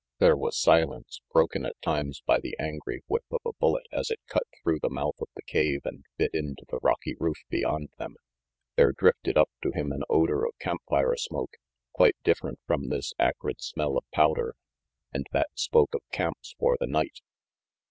There was silence, broken at times by the angry whip of a bullet as it cut through the mouth of the cave and bit into the rocky roof beyond them. There drifted up to him an odor of campfire smoke, quite different from this acrid smell of powder; and that spoke of camps for the night.